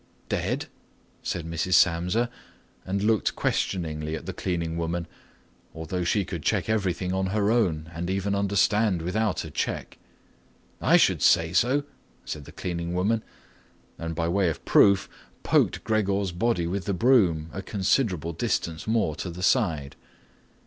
"Dead?" said Mrs. Samsa and looked questioningly at the cleaning woman, although she could check everything on her own and even understand without a check. "I should say so," said the cleaning woman and, by way of proof, poked Gregor's body with the broom a considerable distance more to the side.